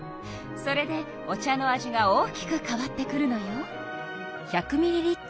それでお茶の味が大きく変わってくるのよ。